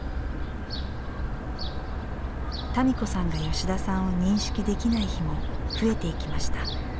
多美子さんが吉田さんを認識できない日も増えていきました。